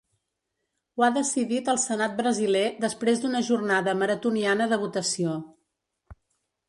Ho ha decidit el senat brasiler després d’una jornada maratoniana de votació.